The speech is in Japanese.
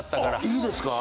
いいですか？